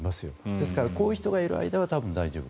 ですからこういう人がいる間は大丈夫。